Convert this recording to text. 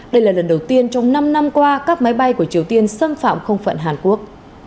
đây là lần đầu tiên trong năm năm qua các máy bay của triều tiên xâm phạm không phận hàn quốc